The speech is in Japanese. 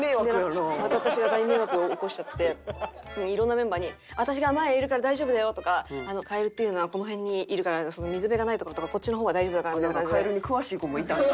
また私が大迷惑を起こしちゃって色んなメンバーに「私が前にいるから大丈夫だよ」とか「蛙っていうのはこの辺にいるから水辺がない所とかこっちの方は大丈夫だから」みたいな感じで。